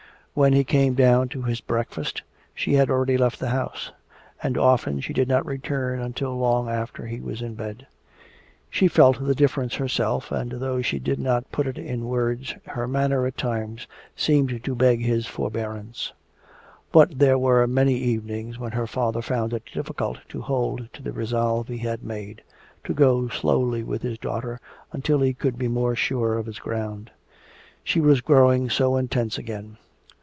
When he came down to his breakfast she had already left the house, and often she did not return until long after he was in bed. She felt the difference herself, and though she did not put it in words her manner at times seemed to beg his forbearance. But there were many evenings when her father found it difficult to hold to the resolve he had made, to go slowly with his daughter until he could be more sure of his ground. She was growing so intense again.